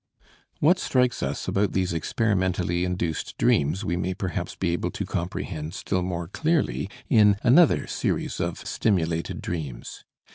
What strikes us about these experimentally induced dreams we may perhaps be able to comprehend still more clearly in another series of stimulated dreams.